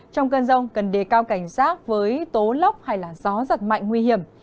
trong cơn rông cần đề cao cảnh sát với tố lóc hay là gió giật mạnh nguy hiểm